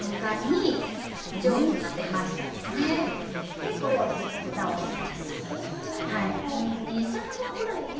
でこれをふたをします。